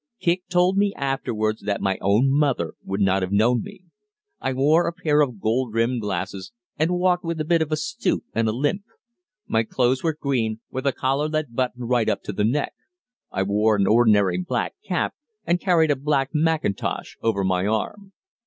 Kicq told me afterwards that my own mother would not have known me. I wore a pair of gold rimmed glasses and walked with a bit of a stoop and a limp. My clothes were green, with a collar that buttoned right up to the neck. I wore an ordinary black cap, and carried a black mackintosh over my arm.